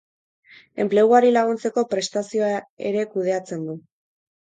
Enpleguari laguntzeko prestazioa ere kudeatzen du.